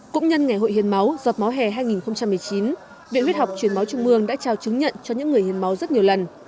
cũng nhân ngày hội hiến máu giọt máu hè hai nghìn một mươi chín viện huyết học truyền máu trung mương đã trao chứng nhận cho những người hiến máu rất nhiều lần